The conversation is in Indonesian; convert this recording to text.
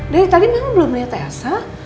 dari tadi memang belum liat elsa